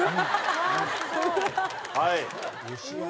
はい。